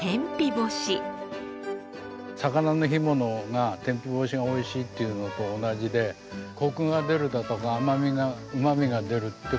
魚の干物が天日干しがおいしいっていうのと同じでコクが出るだとか甘みがうまみが出るって事で。